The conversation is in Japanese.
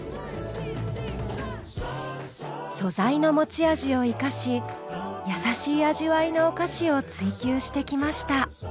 素材の持ち味を生かしやさしい味わいのお菓子を追求してきました。